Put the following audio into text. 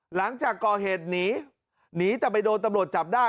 หลังจากก่อเหตุหนีหนีแต่ไปโดนตำรวจจับได้